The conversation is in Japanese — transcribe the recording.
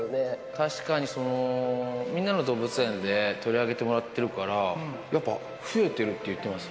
確かに、みんなの動物園で取り上げてもらってるから、やっぱ増えてるっていってます。